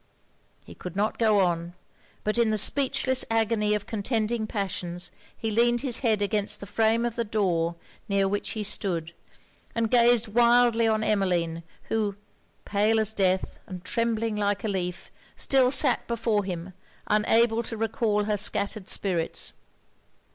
He could not go on; but in the speechless agony of contending passions he leaned his head against the frame of the door near which he stood, and gazed wildly on Emmeline; who, pale as death, and trembling like a leaf, still sat before him unable to recall her scattered spirits.